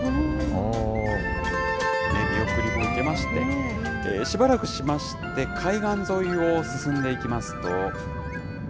見送りを受けまして、しばらくしまして、海岸沿いを進んでいきますと。